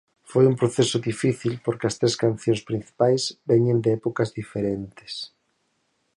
Foi un proceso difícil porque as tres cancións principais veñen de épocas diferentes.